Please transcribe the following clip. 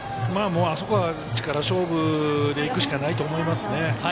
あそこは力勝負でいくしかないと思いますね。